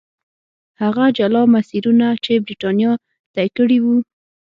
هغه جلا مسیرونه چې برېټانیا طی کړي وو.